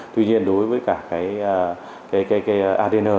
tuy nhiên đối với cả adn